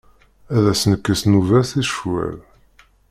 Ad s nekkes nnuba-s i ccwal.